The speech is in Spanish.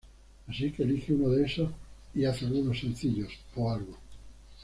Así que elige uno de estos y haz algunos sencillos o algo'.